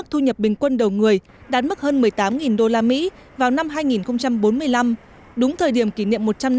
thu nhập bình quân đầu người đạt mức hơn một mươi tám usd vào năm hai nghìn bốn mươi năm đúng thời điểm kỷ niệm một trăm linh năm thành lập nước